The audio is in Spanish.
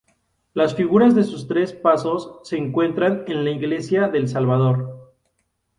Las figuras de sus tres pasos se encuentran en la iglesia del Salvador.